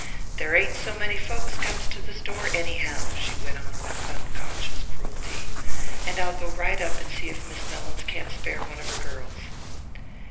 "There ain't so many folks comes to the store anyhow," she went on with unconscious cruelty, "and I'll go right up and see if Miss Mellins can't spare one of her girls."